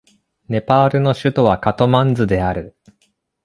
ネパールの首都はカトマンズである